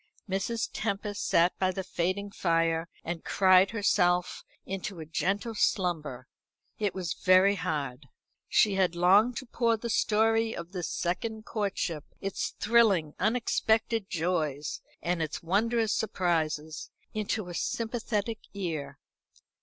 Mrs. Tempest sat by the fading fire, and cried herself into a gentle slumber. It was very hard. She had longed to pour the story of this second courtship its thrilling, unexpected joys, its wondrous surprises into a sympathetic ear.